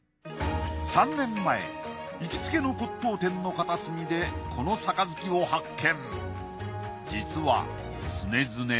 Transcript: ３年前行きつけの骨董店の片隅でこの盃を発見。